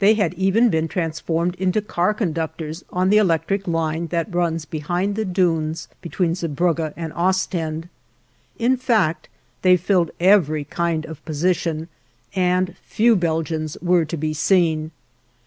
They had even been transformed into car conductors on the electric line that runs behind the dunes between Zeebrugge and Ostend. In fact they filled every kind of position, and few Belgians were to be seen.